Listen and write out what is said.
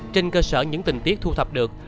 trên cơ sở những tình tiết thu thập được